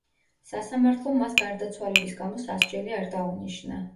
სასამართლომ მას გარდაცვალების გამო სასჯელი არ დაუნიშნა.